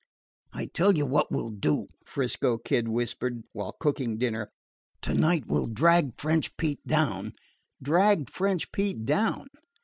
"I 'll tell you what we 'll do," 'Frisco Kid whispered, while cooking dinner. "To night we 'll drag French Pete down " "Drag French Pete down!"